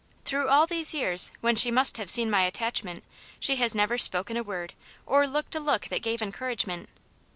Through all these years, when she must have seen my attach ment, she has never spoken a word or looked a look that gave encouragement.